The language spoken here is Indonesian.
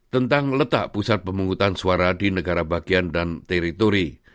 tentang letak pusat pemungutan suara di negara bagian dan teritori